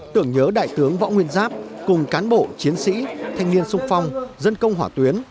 tưởng nhớ đại tướng võ nguyên giáp cùng cán bộ chiến sĩ thanh niên sung phong dân công hỏa tuyến